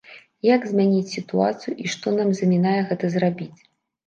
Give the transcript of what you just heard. Як змяніць сітуацыю, і што нам замінае гэта зрабіць?